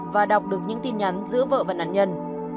và đọc được những tin nhắn giữa vợ và nạn nhân